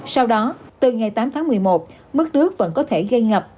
sau đó từ ngày tám tháng một mươi một mức nước vẫn có thể gây ngập